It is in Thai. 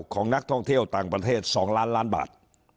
ของนักท่องเที่ยวต่างประเทศ๒ล้านล้านบาท